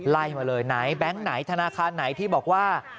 ไล่มาเลยไหนแบงค์ไหนธนาคารไหนที่บอกว่า